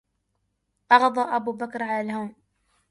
أغضى أبو بكر على الهون